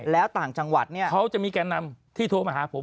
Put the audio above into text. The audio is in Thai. แล้วต่างจังหวัดเนี่ยเขาจะมีแก่นำที่โทรมาหาผม